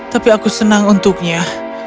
tapi aku senang untuknya